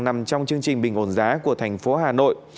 nằm trong chương trình bình ổn giá của thành phố hà nội